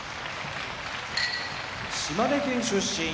島根県出身